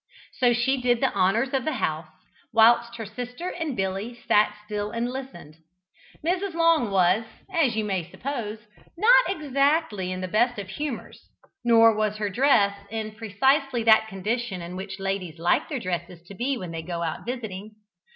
So she did the honours of the house, whilst her sister and Billy sat still and listened. Mrs. Long was, as you may suppose, not exactly in the best of humours, nor was her dress in precisely that condition in which ladies like their dresses to be when they go out visiting.